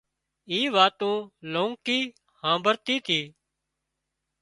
اُي واتُون لونڪي هامڀۯتي تي